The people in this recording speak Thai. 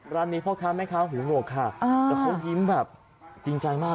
ร้านนี้เพราะค้าแม่ค้าหูหลวกข้าแล้วเขายิ้มจริงใจมาก